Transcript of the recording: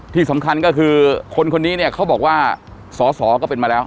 ที่สำคัญก็คือคนคนนี้เนี่ยเขาบอกว่าสอสอก็เป็นมาแล้ว